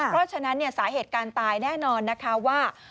เพราะฉะนั้นสาเหตุการณ์ตายแน่นอนนะคะว่า